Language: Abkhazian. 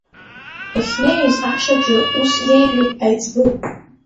Ехьнеиз ашҭаҿы ус иеиҳәеит аиҵбы…